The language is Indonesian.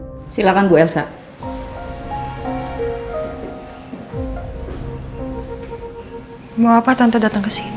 hea terus antara sangat berakhir dengan selalu menambahku tolong diri dan jualan radio baik baik